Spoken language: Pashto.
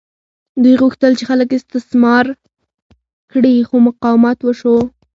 دوی غوښتل چې خلک استثمار کړي خو مقاومت وشو.